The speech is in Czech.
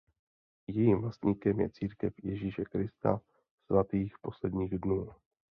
Jejím vlastníkem je Církev Ježíše Krista Svatých posledních dnů.